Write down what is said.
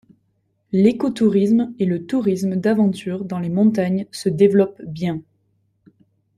L'écotourisme et le tourisme d'aventure dans les montagnes se développent bien.